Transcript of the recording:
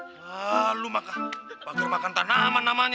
lalu maka bager makan tanaman namanya